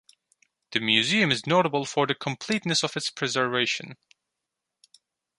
The museum is notable for the completeness of its preservation.